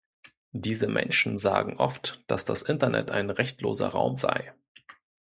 Diese Menschen sagen oft, dass das Internet ein rechtloser Raum sei.